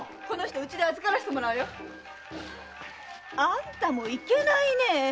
この人うちで預からせてもらうよ。あんたもいけないね。